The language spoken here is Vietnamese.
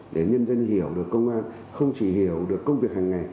để nhân dân hiểu được công an không chỉ hiểu được công việc hàng ngày